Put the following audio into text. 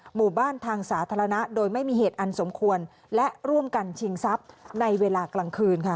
หมู่บ้านทางสาธารณะโดยไม่มีเหตุอันสมควรและร่วมกันชิงทรัพย์ในเวลากลางคืนค่ะ